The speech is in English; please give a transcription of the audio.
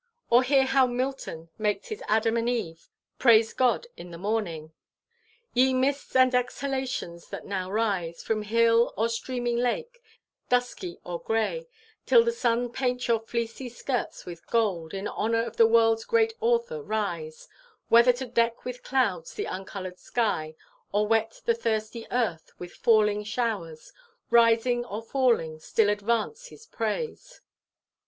Or hear how Milton makes his Adam and Eve praise God in the morning, 'Ye mists and exhalations that now rise From hill or streaming lake, dusky or gray, Till the sun paint your fleecy skirts with gold, In honour to the world's great Author rise, Whether to deck with clouds the uncoloured sky, Or wet the thirsty earth with falling showers, Rising or falling still advance his praise.